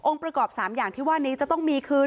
ประกอบ๓อย่างที่ว่านี้จะต้องมีคือ